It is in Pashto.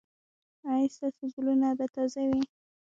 ایا ستاسو ګلونه به تازه وي؟